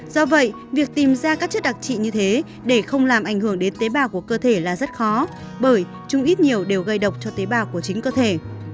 do vậy việc tìm ra các chất đặc trị như thế để không làm ảnh hưởng đến tế bào của cơ thể là rất khó bởi chúng ít nhiều đều gây độc cho tế bào của chính cơ thể